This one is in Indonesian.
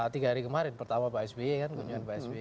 tiga hari kemarin pertama pak sby kan kunjungan pak sby